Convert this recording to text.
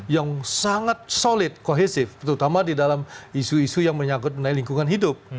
yang sangat solid kohesif terutama di dalam isu isu yang menyangkut mengenai lingkungan hidup